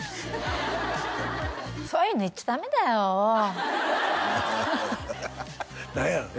そういうの言っちゃダメだよ何やの？